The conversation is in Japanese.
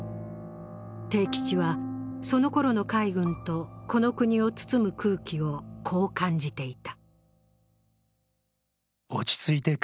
悌吉は、そのころの海軍とこの国を包む空気をこう感じていた。